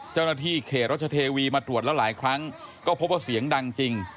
เจ้าหน้าที่เขตรัชเทวีมาตรวจแล้วหลายครั้งก็พบว่าเสียงดังจริง